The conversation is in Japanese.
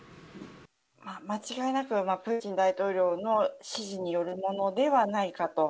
間違いなくプーチン大統領の指示によるものではないかと。